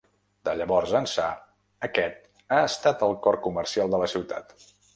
De llavors ençà, aquest ha estat el cor comercial de la ciutat.